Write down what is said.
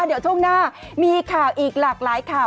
เดี๋ยวช่วงหน้ามีข่าวอีกหลากหลายข่าว